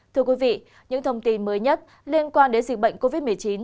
thưa quý vị những thông tin mới nhất liên quan đến dịch bệnh covid một mươi chín